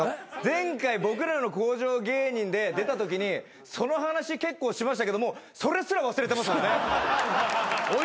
前回僕らの向上芸人で出たときにその話結構しましたけどそれすら忘れてますもんね。